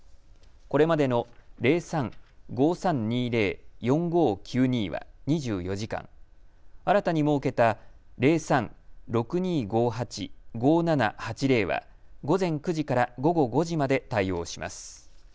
これまでの０３ー５３２０ー４５９２は２４時間、新たに設けた０３−６２５８−５７８０は午前９時から午後５時まで対応します。